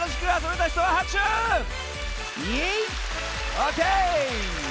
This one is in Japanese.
オッケー！